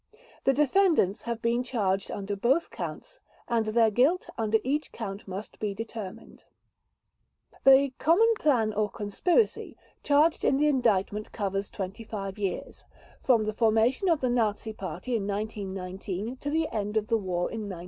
The defendants have been charged under both Counts, and their guilt under each Count must be determined. The "Common Plan or Conspiracy" charged in the Indictment covers 25 years, from the formation of the Nazi Party in 1919 to the end of the war in 1945.